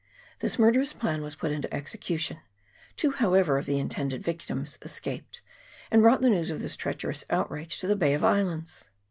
This murderous plan was put into execu tion ; two, however, of the intended victims escaped, and brought the news of this treacherous outrage to the Bay of Islands.